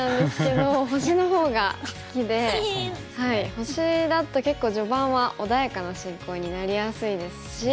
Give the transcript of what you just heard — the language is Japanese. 星だと結構序盤は穏やかな進行になりやすいですし。